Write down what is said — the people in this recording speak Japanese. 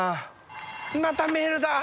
またメールだ。